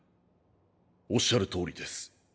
おっしゃる通りです。